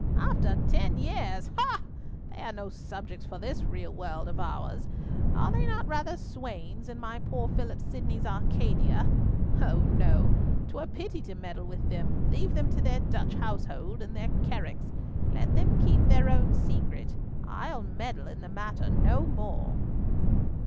"After ten years! Ha! They are no subjects for this real world of ours; are they not rather swains in my poor Philip Sidney's Arcadia? Ho, no; 'twere pity to meddle with them. Leave them to their Dutch household and their carracks. Let them keep their own secret; I'll meddle in the matter no more."